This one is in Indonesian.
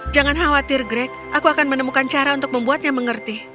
jangan khawatir greg aku akan menemukan cara untuk membuatnya mengerti